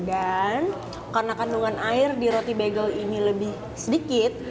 dan karena kandungan air di bagel ini lebih sedikit